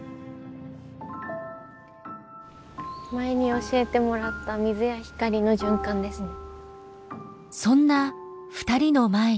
前に教えてもらった水や光の循環ですね。